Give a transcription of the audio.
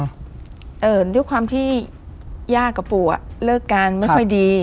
อืมเอ่อด้วยความที่ย่ากับปู่อ่ะเลิกการไม่ค่อยดี